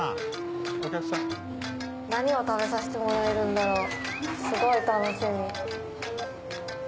何を食べさせてもらえるんだろうすごい楽しみ。